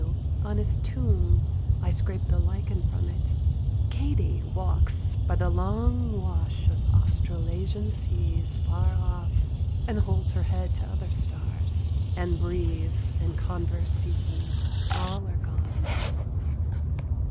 W. on his tomb: I scraped the lichen from it: Katie walks By the long wash of Australasian seas Far off, and holds her head to other stars, And breathes in converse seasons. All are gone.'